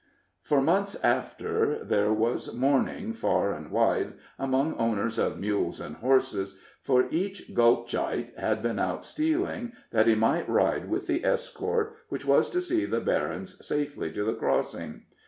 "] For months after there was mourning far and wide among owners of mules and horses, for each Gulchite had been out stealing, that he might ride with the escort which was to see the Berryns safely to the crossing.